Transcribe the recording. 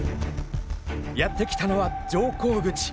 やって来たのは乗降口。